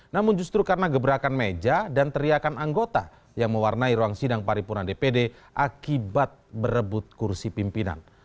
namun justru karena gebrakan meja dan teriakan anggota yang mewarnai ruang sidang paripurna dpd akibat berebut kursi pimpinan